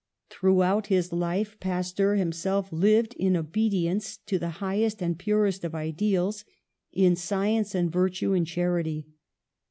Throughout his life Pas teur himself lived in obedience to the highest and purest of ideals, in science and virtue and charity.